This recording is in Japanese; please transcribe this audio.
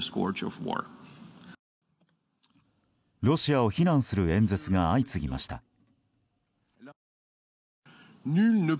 ロシアを非難する演説が相次ぎました。